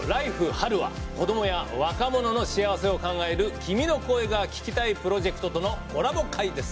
春」は子どもや若者の幸せを考える「君の声が聴きたい」プロジェクトとのコラボ回です。